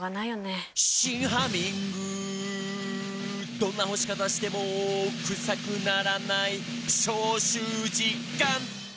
「どんな干し方してもクサくならない」「消臭実感！」